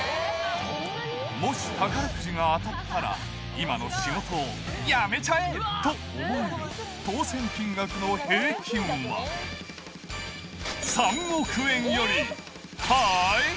もし宝くじが当たったら、今の仕事を辞めちゃえ！と思える当せん金額の平均は、３億円よりハイ？